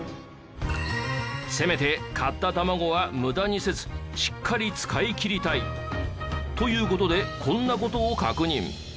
せめて買った卵は無駄にせずしっかり使い切りたい。という事でこんな事を確認。